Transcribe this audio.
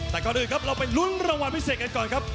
แต่ก่อนอื่นครับเราไปลุ้นรางวัลพิเศษกันก่อนครับ